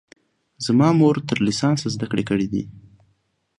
زما مور تر لیسانسه زده کړې کړي دي